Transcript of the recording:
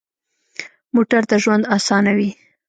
موټر د ژوند اسانوي.